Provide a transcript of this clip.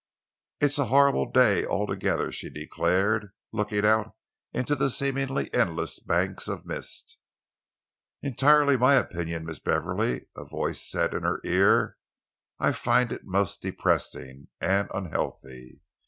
"It's a horrible day altogether," she declared, looking out into the seemingly endless banks of mist. "Entirely my opinion, Miss Beverley," a voice said in her ear. "I find it most depressing and unhealthy.